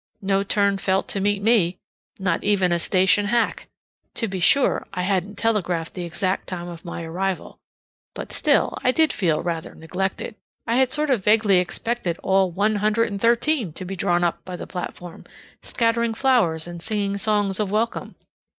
No Turnfelt to meet me; not even a station hack. To be sure, I hadn't telegraphed the exact time of my arrival, but, still, I did feel rather neglected. I had sort of vaguely expected all ONE HUNDRED AND THIRTEEN to be drawn up by the platform, scattering flowers and singing songs of welcome.